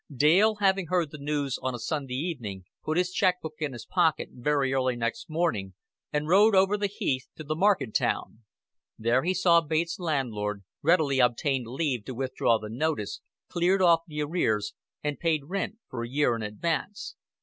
Dale, having heard the news on a Sunday evening, put his check book in his pocket very early next morning and rode over the heath to the market town. There he saw Bates' landlord, readily obtained leave to withdraw the notice, cleared off the arrears, and paid rent for a year in advance.